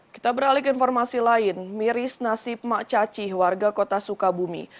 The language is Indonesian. kita beralih ke informasi lain miris nasib mak cacih warga kota sukabumi